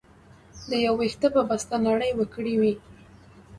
د يو وېښته په بسته نړۍ وکړى وى.